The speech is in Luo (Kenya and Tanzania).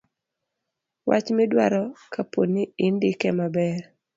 wach midwaro kapo ni indike maber